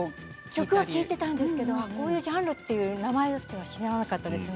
曲は聴いていたんですがこのジャンルという名前は知らなかったですね。